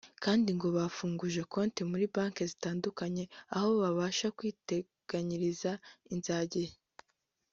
kandi ngo bafunguje konti muri banki zitandukanye aho babasha kwiteganyiriza inzagihe